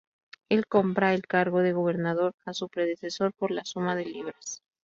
Él compra el cargo de gobernador a su predecesor por la suma de libras.